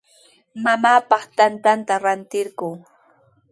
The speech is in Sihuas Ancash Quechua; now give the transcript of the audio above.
Mamaapaq tantata ratirquu.